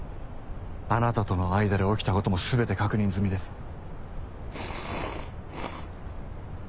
あなたとの間で起きたことも全て確認済みです。